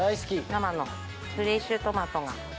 生のフレッシュトマトが。